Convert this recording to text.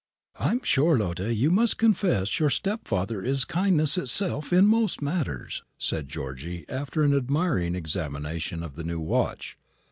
"I'm sure, Lotta, you must confess your stepfather is kindness itself in most matters," said Georgy, after an admiring examination of the new watch.